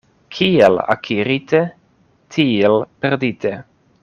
Kiel akirite, tiel perdite.